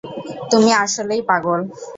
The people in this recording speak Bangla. তুমি আসলেই পাগল।